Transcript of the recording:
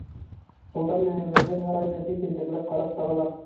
Солтан менән вәзир һарайҙы бик ентекләп ҡарап сығалар.